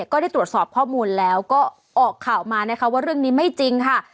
ก็ได้ตรวจสอบข้อมูลแล้วก็ออกข่าวมานะคะว่าเรื่องนี้ไม่จริงค่ะ